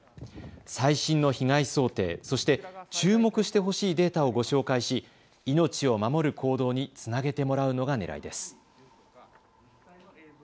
最新の被害想定、そして注目してほしいデータをご紹介し命を守る行動につなげてもらうのが狙いです。